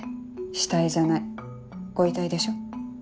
死体じゃないご遺体でしょ？